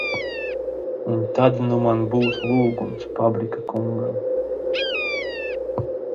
Un tad nu man būtu lūgums Pabrika kungam.